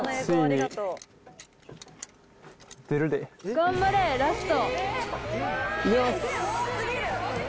頑張れラスト！